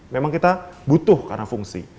memang kita butuh karena fungsi